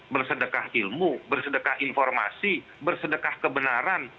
bersedekah ilmu bersedekah informasi bersedekah kebenaran